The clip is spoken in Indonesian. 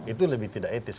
itu lebih tidak etis